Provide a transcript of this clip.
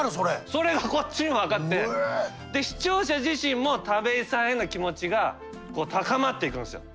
それがこっちにも分かって視聴者自身も田部井さんへの気持ちが高まっていくんですよ。